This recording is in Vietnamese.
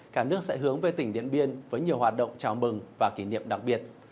cả nước sẽ hướng về tỉnh điện biên với nhiều hoạt động chào mừng và kỷ niệm đặc biệt